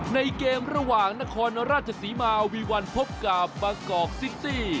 ในเกมระหว่างนครราชศรีมาวีวันพบกับบางกอกซิตี้